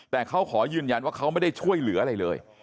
แต่เขาขอยืนยันว่าเขาไม่ได้ช่วยเหลืออะไรเลย